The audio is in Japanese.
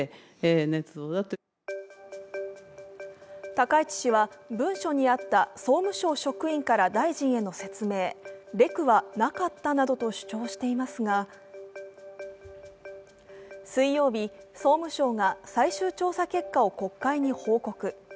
高市氏は文書にあった総務省職員から大臣への説明＝レクはなかったなどと主張していますが、水曜日、総務省が最終調査結果を国会に報告。